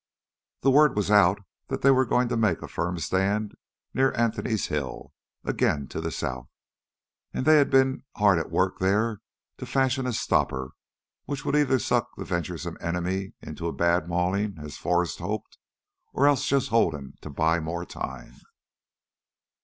The word was out that they were going to make a firm stand near Anthony's Hill, again to the south. And they had been hard at work there to fashion a stopper which would either suck the venturesome enemy into a bad mauling, as Forrest hoped, or else just hold him to buy more time.